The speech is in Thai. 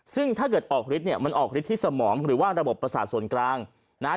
ซึ่งถ้าเกิดออกฤทธิเนี่ยมันออกฤทธิ์สมองหรือว่าระบบประสาทส่วนกลางนะฮะ